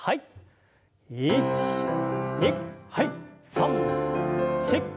３４。